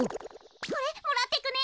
これもらってくね。